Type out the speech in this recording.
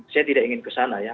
saya tidak ingin kesana ya